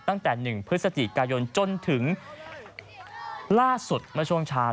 ตั้งแต่๑พฤศจิกายนจนถึงล่าสุดเมื่อช่วงเช้า